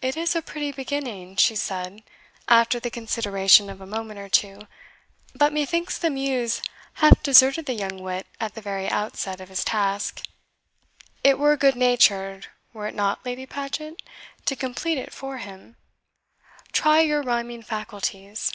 "It is a pretty beginning," she said, after the consideration of a moment or two; "but methinks the muse hath deserted the young wit at the very outset of his task. It were good natured were it not, Lady Paget? to complete it for him. Try your rhyming faculties."